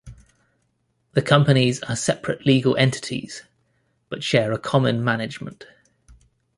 The companies are separate legal entities, but share a common management.